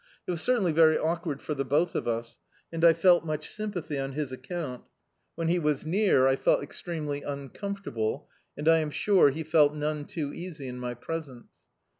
It was certainly very awkward for the both of us, and I felt much sympathy on his account. When he was near I felt extremely un comfortable, and I am sure he felt none too easy in my presence.